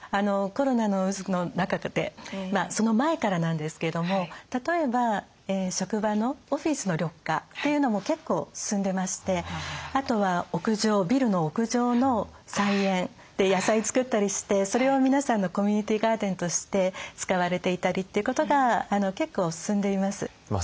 コロナの渦の中でその前からなんですけども例えば職場のオフィスの緑化というのも結構進んでましてあとは屋上ビルの屋上の菜園で野菜作ったりしてそれを皆さんのコミュニティーガーデンとして使われていたりということが結構進んでいます。